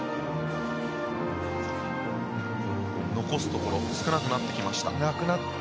残すところ少なくなってきました。